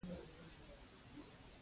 تورپيکۍ په غريو کې وويل.